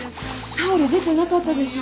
タオル出てなかったでしょ？